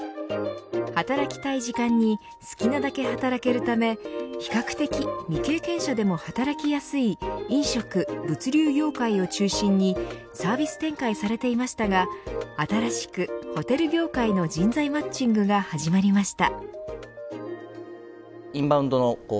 働きたい時間に好きなだけ働けるため比較的、未経験者でも働きやすい飲食・物流業界を中心にサービス展開されていましたが新しくホテル業界の人材マッチングが始まりました。